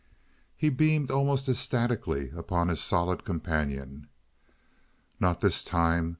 He beamed almost ecstatically upon his solid companion. "Not this time.